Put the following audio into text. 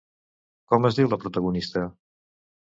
Com es diu la protagonista?